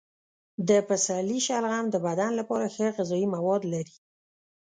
د پسرلي شلغم د بدن لپاره ښه غذايي مواد لري.